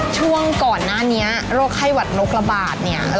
ช่วงก่อนหน้านี้โรคไข้หวัดนกระบาดเนี่ย